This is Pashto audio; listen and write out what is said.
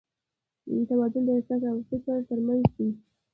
توازن د احساس او فکر تر منځ دی.